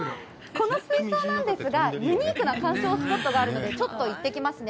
この水槽なんですが、ユニークな観賞スポットがあるので、ちょっと行ってきますね。